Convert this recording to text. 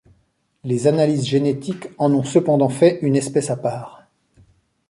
Les analyses génétiques en ont cependant fait une espèce à part.